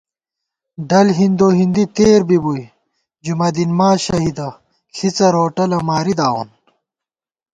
ڈل ہندو ہِندی تېر بِبُوئی جمعہ دین ما شہیدہ ݪِڅَر ووٹَلہ ماری داوون